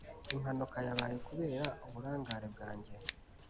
] impanuka yabaye kubera uburangare bwanjye.